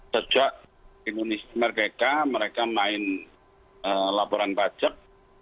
sejak indonesia mergeka mereka main laporan pajak